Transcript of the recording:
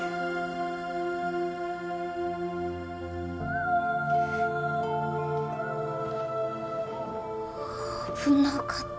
危なかった。